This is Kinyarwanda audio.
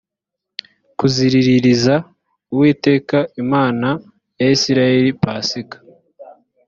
kuziriririza uwiteka imana ya isirayeli pasika